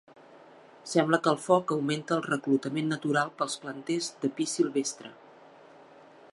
Sembla que el foc augmenta el reclutament natural dels planters de pi silvestre.